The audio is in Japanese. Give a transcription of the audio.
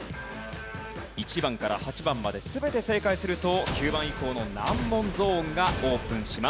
１番から８番まで全て正解すると９番以降の難問ゾーンがオープンします。